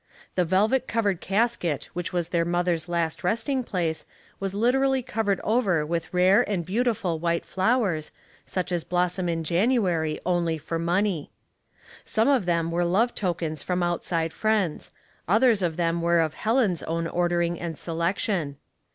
The velvet covered casket which was their mother's last resting place was literally cov ered over with rare and beautiful white flowers, such as blossom in January, only for money. Some of them were love tokens from outside friends ; others of them were of Helen's own ordering and selection.